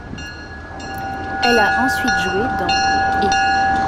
Elle a ensuite joué dans ' et '.